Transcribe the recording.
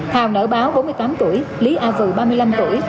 hào nở báo bốn mươi tám tuổi lý a vừ ba mươi năm tuổi